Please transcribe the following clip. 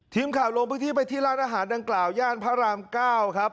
ทีมข่าวลงพื้นที่ไปที่ร้านอาหารดังกล่าวย่านพระราม๙ครับ